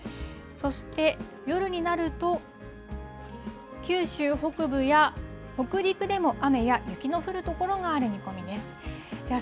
そして夜になると、九州北部や北陸でも雨や雪の降る所がある見込みです。